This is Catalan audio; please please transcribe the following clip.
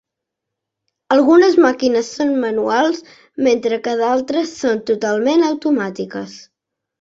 Algunes màquines són manuals, mentre que d'altres són totalment automàtiques.